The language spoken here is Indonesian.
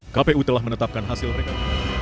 kpu telah menetapkan hasil rekam